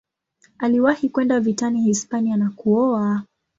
Aliwahi kwenda vitani Hispania na kuoa.